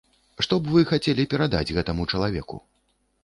Што б вы хацелі перадаць гэтаму чалавеку?